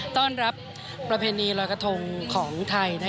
ต้อนรับประเพณีลอยกระทงของไทย